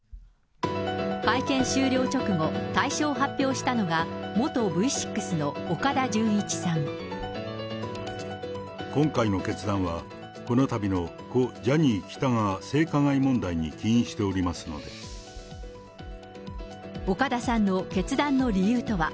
会見終了直後、退所を発表したのが、今回の決断は、このたびの故・ジャニー喜多川、性加害問題に起因しておりますの岡田さんの決断の理由とは。